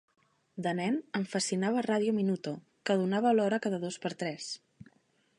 De nen, em fascinava Radio Minuto, que donava l'hora cada dos per tres.